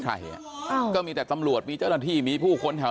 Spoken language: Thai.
ใครอ่ะอ่าก็มีแต่ตำรวจมีเจ้าหน้าที่มีผู้คนแถว